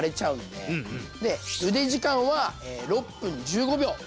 でゆで時間は６分１５秒。